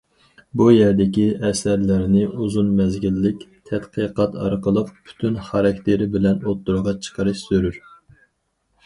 بۇ يەردىكى ئەسەرلەرنى ئۇزۇن مەزگىللىك تەتقىقات ئارقىلىق پۈتۈن خاراكتېرى بىلەن ئوتتۇرىغا چىقىرىش زۆرۈر.